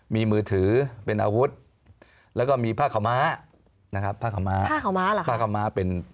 มีมือถือเป็นอาวุธแล้วก็มีผ้าขาวม้า